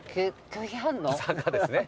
坂ですね。